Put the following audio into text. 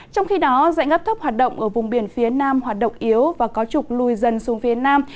trong khi đó dạnh ấp thấp hoạt động ở vùng biển phía nam hoạt động yếu và có trục lùi dần xuống phía nam